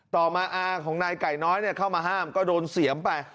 ต่อมาอาของนายไก่น้อยเข้ามาห้ามก็โดนเสียมไป